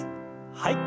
はい。